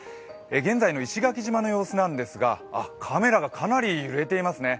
現在の石垣島の様子なんですが、カメラがかなり揺れていますね。